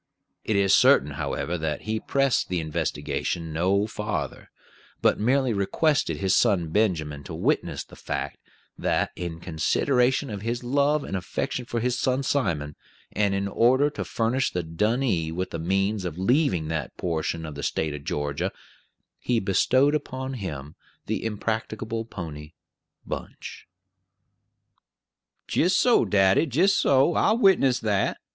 It is certain, however, that he pressed the investigation no farther, but merely requested his son Benjamin to witness the fact that, in consideration of his love and affection for his son Simon, and in order to furnish the donee with the means of leaving that portion of the State of Georgia, he bestowed upon him the impracticable pony, Bunch. "Jist so, daddy; jist so; I'll witness that.